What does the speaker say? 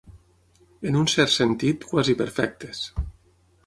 En un cert sentit, quasi perfectes.